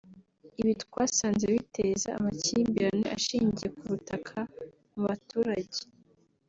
ibi twasanze biteza amakimbirane ashingiye ku butaka mu baturage